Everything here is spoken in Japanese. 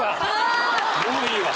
もういいわ。